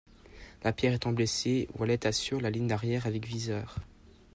Lapierre étant blessé, Wallet assure la ligne arrière avec Viseur.